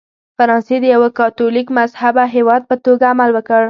فرانسې د یوه کاتولیک مذهبه هېواد په توګه عمل وکړ.